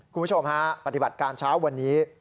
คุณผู้ชมฮะปฏิบัติการเช้าวันนี้